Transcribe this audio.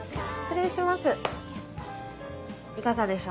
失礼します。